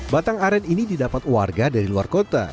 batang aren ini didapat warga dari luar kota